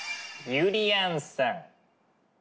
ゆりやんさん